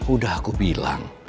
udah aku bilang